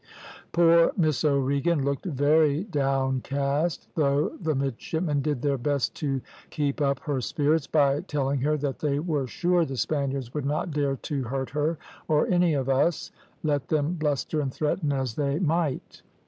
"Poor Miss O'Regan looked very downcast, though the midshipmen did their best to keep up her spirits by telling her that they were sure the Spaniards would not dare to hurt her or any of us, let them bluster and threaten as they might.